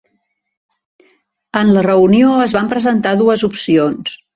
En la reunió es van presentar dues opcions.